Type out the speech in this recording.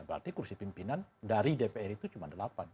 berarti kursi pimpinan dari dpr itu cuma delapan